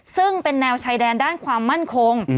ซึ่งเป็นแนวชายแดนด้านความมั่นคง